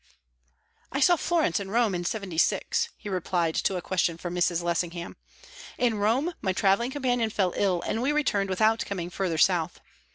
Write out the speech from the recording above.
"I saw Florence and Rome in '76," he replied to a question from Mrs. Lessingham. "In Rome my travelling companion fell ill, and we returned without coming further south.